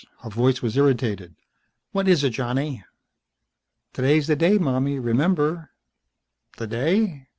Her voice was irritated. "What is it, Johnny?" "Today's the day, mommy. Remember?" "The day?"